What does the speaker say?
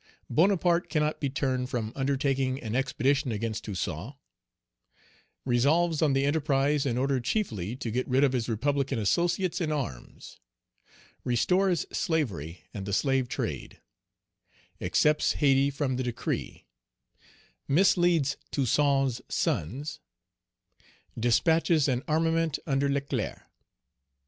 Bonaparte cannot be turned from undertaking an expedition against Toussaint Resolves on the enterprise in order chiefly to get rid of his republican associates in arms Restores slavery and the slave trade Excepts Hayti from the decree Misleads Toussaint's sons Despatches an armament under Leclerc.